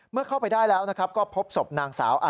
เมื่อเข้าไปได้แล้วนะครับก็พบศพนางสาว